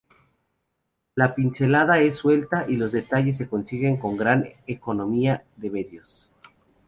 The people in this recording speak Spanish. La pincelada es suelta y los detalles se consiguen con gran economía de medios.